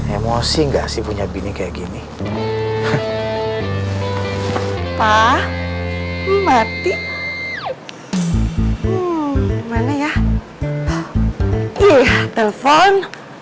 emosi enggak sih punya bini kayak gini pak mati mana ya iya telpon